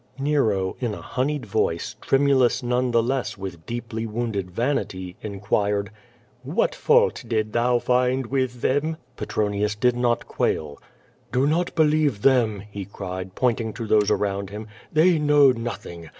Nero in a honej'ed voice, tremulous none the less with deep ly wounded vanity, inquired: "What fault dost thou find with them?" Petronius did not quail. "Do not believe them,'' he cried, pointing to those around him. "They know nothing.